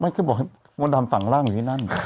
มันคือบอกว่าดำฝั่งล่างอยู่ที่นั่น